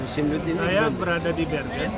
saya berada di bergen